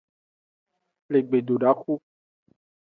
Le gbedodaxu.